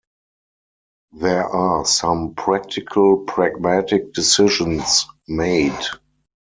There are some practical, pragmatic decisions made.